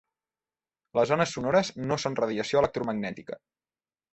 Les ones sonores no són radiació electromagnètica.